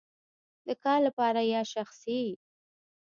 د کار لپاره یا شخصی؟